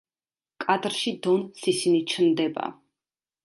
კადრში დონ სისინი ჩნდება.